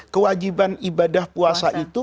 kewajiban ibadah puasa itu